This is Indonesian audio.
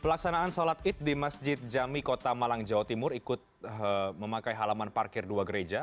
pelaksanaan sholat id di masjid jami kota malang jawa timur ikut memakai halaman parkir dua gereja